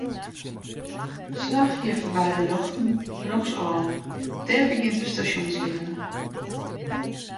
Slach hjir foarby de ljochten rjochtsôf, dêr begjint de Stasjonsleane.